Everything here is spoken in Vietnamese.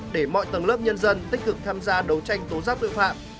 để mọi tầng lớp nhân dân tích cực tham gia đấu tranh tố giác tội phạm